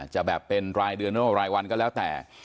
จะแบบเป็นรายเดือนหรือว่ารายวันก็แล้วแต่